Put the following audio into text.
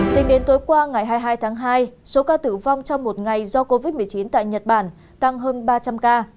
tính đến tối qua ngày hai mươi hai tháng hai số ca tử vong trong một ngày do covid một mươi chín tại nhật bản tăng hơn ba trăm linh ca